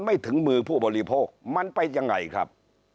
ถึงมือผู้บริโภคมันเป็นยังไงครับ